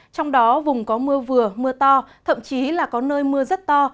trong đó vùng có mưa vừa mưa to thậm chí là có nơi mưa rất to